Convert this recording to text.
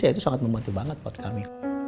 ya itu sangat membantu banget buat kami